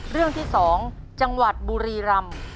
เรื่องที่๒จังหวัดบุรีรำ